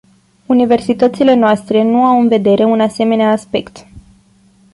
Universitățile noastre nu au în vedere un asemenea aspect.